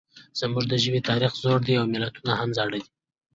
زموږ د ژبې تاریخ زوړ دی او متلونه هم زاړه دي